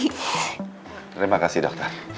terima kasih dokter